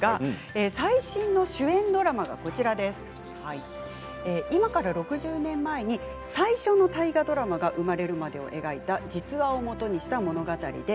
最新主演ドラマが今から６０年前に最初の大河ドラマが生まれるまでを描いた実話を基にした物語です。